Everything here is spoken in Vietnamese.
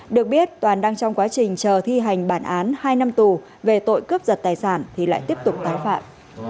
được biết toàn đang trong quá trình chờ thi hành bản án hai năm tù về tội cướp giật tài sản thì lại tiếp tục tái phạm